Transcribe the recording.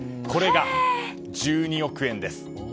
これが１２億円です。